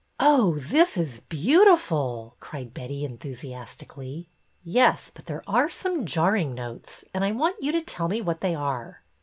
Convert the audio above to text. "Oh, this is beautiful!" cried Betty^ enthu siastically. " Yes, but there are some jarring notes and 1 want you to tell me what they are."